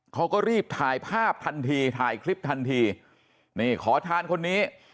เขาก็รีบถ่ายภาพทันทีถ่ายคลิปทันทีนี่ขอทานคนนี้